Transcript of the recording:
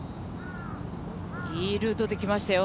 いいルートできましたよ。